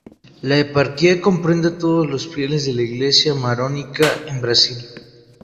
La eparquía comprende a todos los fieles de la Iglesia maronita en Brasil.